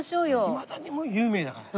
いまだに有名だから。